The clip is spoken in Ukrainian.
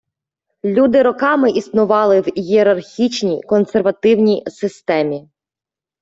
Люди роками існували в ієрархічній, консервативній системі.